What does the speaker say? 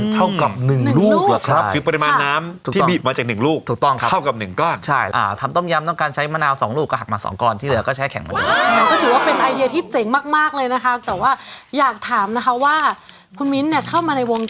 แต่ว่าอยากถามนะคะว่าคุณมิ้นเข้ามาในวงการมะนาวได้ยังไงคะ